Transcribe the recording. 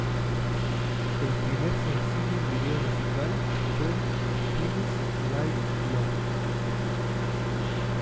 El primer sencillo y video musical fue "Feels Like Love".